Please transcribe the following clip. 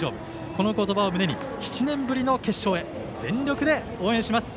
この言葉を胸に７年ぶりの決勝へ全力で応援します！